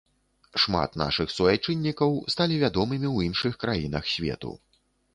Шмат нашых суайчыннікаў сталі вядомымі ў іншых краінах свету.